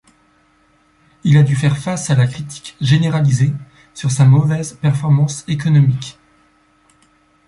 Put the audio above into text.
Il a du faire face à la critique généralisée sur sa mauvaise performance économique.